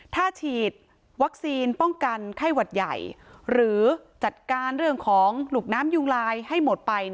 ถ้าฉีดวัคซีนป้องกันไข้หวัดใหญ่หรือจัดการเรื่องของหลุกน้ำยุงลายให้หมดไป